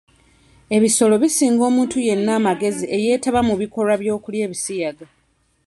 Ebisolo bisinga omuntu yenna amagezi eyeetaba mu bikolwa by'okulya ebisiyaga.